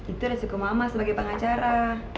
itu resiko mama sebagai pengacara